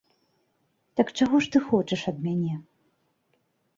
Так чаго ж ты хочаш ад мяне?